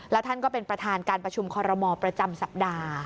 แล้วท่านก็เป็นประธานการประชุมคอรมอลประจำสัปดาห์